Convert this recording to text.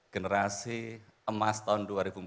generasi emas tahun dua ribu empat puluh lima